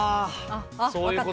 ・あっ分かった。